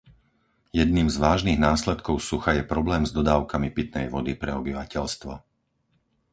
Jedným z vážnych následkov sucha je problém s dodávkami pitnej vody pre obyvateľstvo.